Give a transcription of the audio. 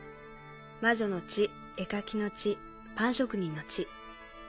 魔女の血絵描きの血パン職人の血。